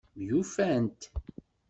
Myufant.